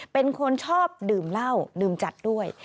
เป็นคนชอบดื่มเหล้าดื่มจัดด้วย